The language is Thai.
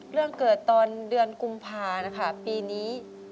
เรื่องเกิดตอนเดือนกุมภานะคะปีนี้